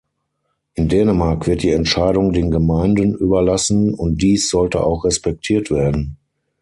In Dänemark wird die Entscheidung den Gemeinden überlassen, und dies sollte auch respektiert werden.